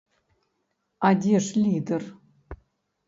А дзе ж лідэр?